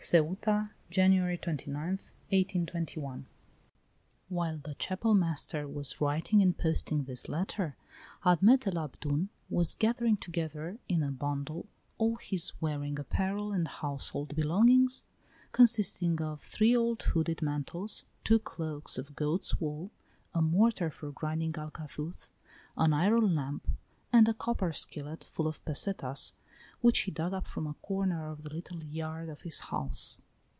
"CEUTA, January 29, 1821." VII. While the Chapel master was writing and posting this letter, Admet el Abdoun was gathering together in a bundle all his wearing apparel and household belongings, consisting of three old hooded mantles, two cloaks of goat's wool, a mortar for grinding alcazuz, an iron lamp, and a copper skillet full of pesetas, which he dug up from a corner of the little yard of his house.